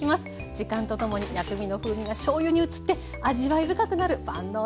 時間とともに薬味の風味がしょうゆに移って味わい深くなる万能だれ。